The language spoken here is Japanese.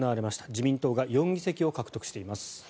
自民党が４議席を獲得しています。